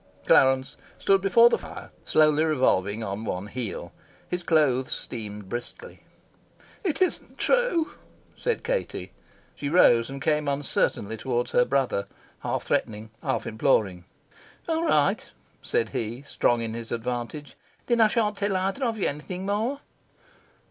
Clarence stood before the fire, slowly revolving on one heel. His clothes steamed briskly. "It isn't true," said Katie. She rose and came uncertainly towards her brother, half threatening, half imploring. "All right," said he, strong in his advantage. "Then I shan't tell either of you anything more."